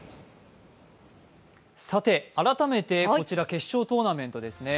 さて、改めてこちら決勝トーナメントですね。